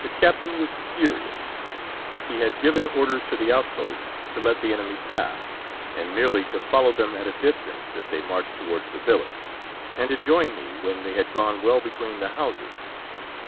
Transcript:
The captain was furious. He had given orders to the outpost to let the enemy pass and merely to follow them at a distance, if they marched towards the village, and to join me when they had gone well between the houses.